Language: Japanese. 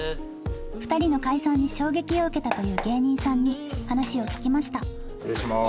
２人の解散に衝撃を受けたという芸人さんに話を聞きました失礼します。